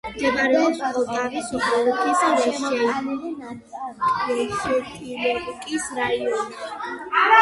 მდებარეობს პოლტავის ოლქის რეშეტილოვკის რაიონში.